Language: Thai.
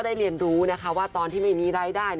ได้เรียนรู้ว่าเมื่อไหล้ได้ตอนที่ไม่มีรายได้